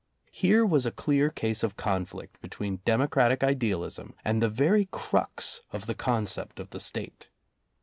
Here was a clear case of conflict between democratic idealism and the very crux of the concept of the State.